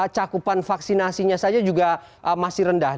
cakupan vaksinasinya saja juga masih rendah